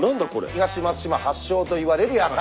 東松島発祥といわれる野菜。